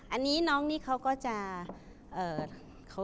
อันนี้น้องนี่เขาก็จะ